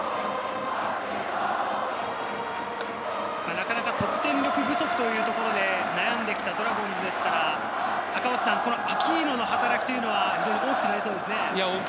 なかなか得点力不足ということで悩んできたドラゴンズですが、アキーノの働きは大きくなりそうですね。